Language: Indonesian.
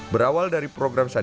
berawal dari program perusahaan